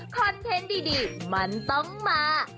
เทนต์ดีมันต้องมา